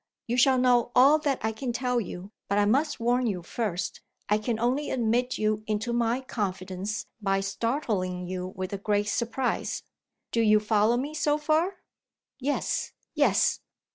You shall know all that I can tell you, but I must warn you first. I can only admit you into my confidence by startling you with a great surprise. Do you follow me, so far?" "Yes! yes!"